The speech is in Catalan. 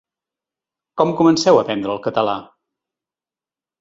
Com comenceu a aprendre el català?